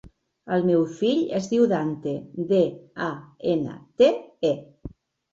El meu fill es diu Dante: de, a, ena, te, e.